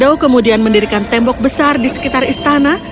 jauh kemudian mendirikan tembok besar di sekitar istana